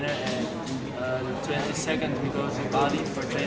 jadi saya akan berlatih dengan sangat keras